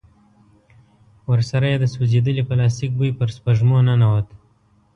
ورسره يې د سوځېدلي پلاستيک بوی پر سپږمو ننوت.